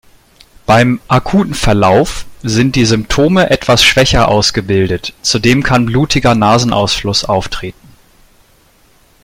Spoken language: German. Beim "akuten Verlauf" sind die Symptome etwas schwächer ausgebildet, zudem kann blutiger Nasenausfluss auftreten.